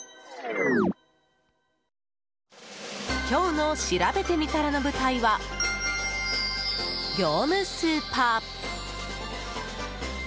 今日のしらべてみたらの舞台は業務スーパー。